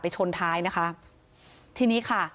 ชนท้ายนะคะทีนี้ค่ะ